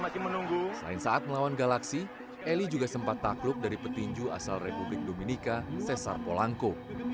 selain saat melawan galaksi eli juga sempat takluk dari petinju asal republik dominika cesar polanco